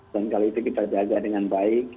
dan kalau itu kita jaga dengan baik